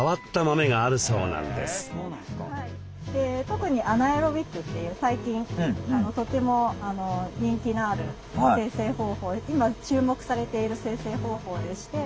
特にアナエロビックっていう最近とても人気のある精製方法で今注目されている精製方法でして。